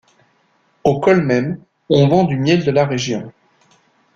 Au col même on vend du miel de la région.